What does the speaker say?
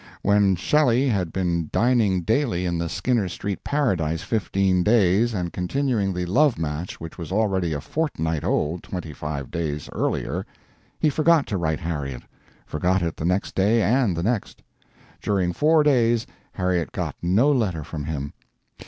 When Shelley had been dining daily in the Skinner Street paradise fifteen days and continuing the love match which was already a fortnight old twenty five days earlier, he forgot to write Harriet; forgot it the next day and the next. During four days Harriet got no letter from him.